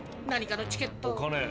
何かのチケット。